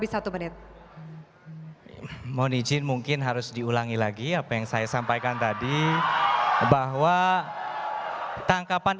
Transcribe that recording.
satu menit mohon izin mungkin harus diulangi lagi apa yang saya sampaikan tadi bahwa tangkapan